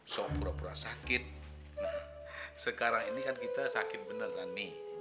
so pura pura sakit nah sekarang ini kan kita sakit beneran mi